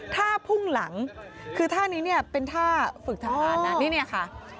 ถ้าพุ่งหลังคือท่านี้เนี่ยเป็นท่าฝึกทหารนะนี่เนี่ยค่ะ